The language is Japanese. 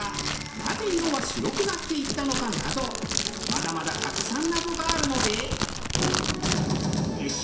なぜ色は白くなっていったのか？などまだまだたくさん謎があるので。